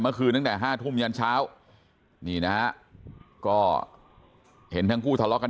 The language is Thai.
เมื่อคืนตั้งแต่๕ทุ่มยานเช้านี่นะก็เห็นทั้งคู่ทะเลาะกัน